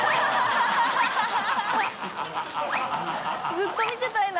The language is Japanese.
ずっと見てたいな